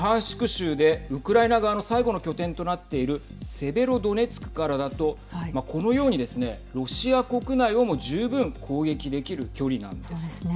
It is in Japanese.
州でウクライナ側の最後の拠点となっているセベロドネツクからだとこのようにですねロシア国内をも十分攻撃できる距離なんです。